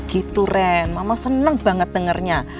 gitu ren mama senang banget dengernya